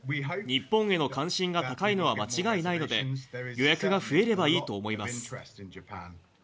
日本への関心が高いのは間違いないので、予約が増えればいいと思います。